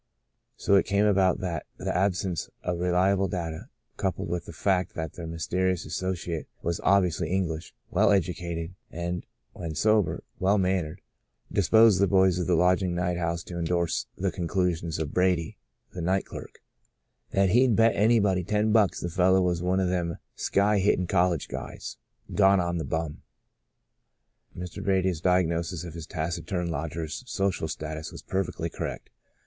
So it came about that the absence of reliable data, coupled with the fact that their mysterious associate was obviously English, well edu cated, and (when sober) well mannered, dis posed ■ the boys of the lodging house to endorse the conclusions of Brady the night clerk — '*that he'd bet anybody ten bucks the fellow was one o' them sky hittin' college guys, gone on the bum I '' Mr. Brady's diagnosis of his taciturn lodger's social status was perfectly correct.